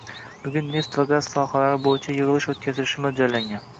Bugun neft va gaz sohalari boʻyicha yigʻilish oʻtkazilishi moʻljallangan.